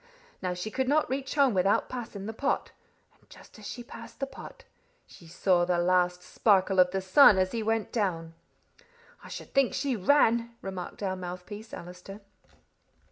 Now she could not reach home without passing the pot, and just as she passed the pot, she saw the last sparkle of the sun as he went down." "I should think she ran!" remarked our mouthpiece, Allister.